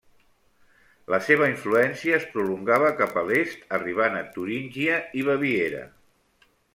La seva influència es prolongava cap a l'est arribant a Turíngia i Baviera.